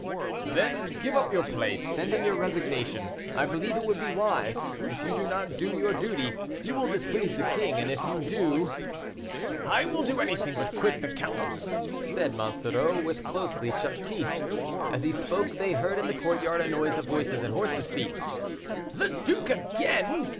"Then give up your place send in your resignation. I believe it would be wise; if you do not do your duty, you will displease the king, and if you do " "I will do anything but quit the countess," said Monsoreau, with closely shut teeth. As he spoke, they heard in the courtyard a noise of voices and horses' feet. "The duke again!"